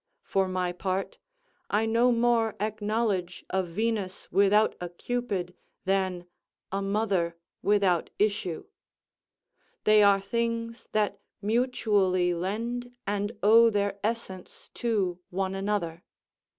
For my part, I no more acknowledge a Venus without a Cupid than, a mother without issue: they are things that mutully lend and owe their essence to one another.